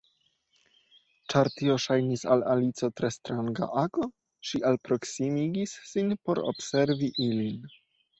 Ĉar tio ŝajnis al Alicio tre stranga ago, ŝi alproksimigis sin por observi ilin.